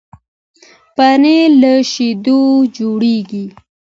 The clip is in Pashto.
پنېر له شيدو جوړېږي.